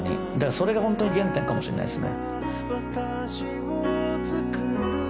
それが本当に原点かもしれないですね。